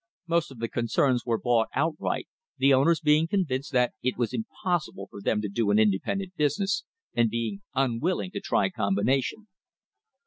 Most of the concerns were bought out right, the owners being convinced that it was impossible for them to do an independent business, and being unwilling to try combination.